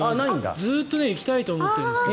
ずっと行きたいと思っているんですけど。